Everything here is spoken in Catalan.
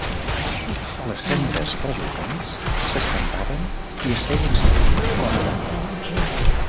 Les cendres resultants s'escampaven i es feien servir com a adob.